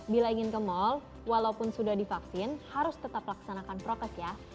bila ingin ke mal walaupun sudah divaksin harus tetap laksanakan prokes ya